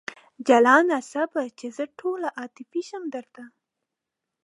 جلانه صبر! چې زه ټوله عاطفي شم درته